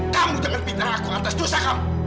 kamu dengar pindah aku atas dosa kamu